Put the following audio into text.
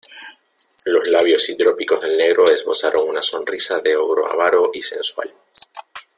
los labios hidrópicos del negro esbozaron una sonrisa de ogro avaro y sensual: